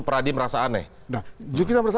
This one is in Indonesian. peradi merasa aneh nah justru kita merasa